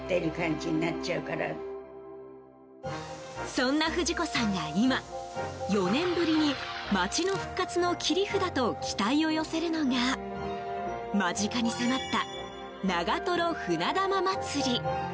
そんな不二子さんが今、４年ぶりに町の復活の切り札と期待を寄せるのが間近に迫った、長瀞船玉まつり。